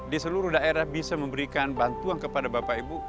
di seluruh daerah bisa memberikan bantuan kepada bapak ibu